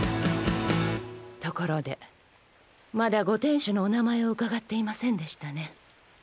ところでまだご店主のお名前を伺っていませんでしたね。